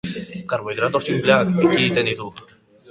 Karbohidrato sinpleak ekiditen ditu.